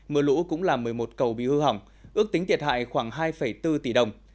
mưa lũ cũng làm một mươi một cầu bị hư hỏng ước tính thiệt hại khoảng hai bốn tỷ đồng